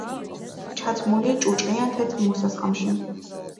ჩაცმული ჭუჭყიან თეთრ მოსასხამში.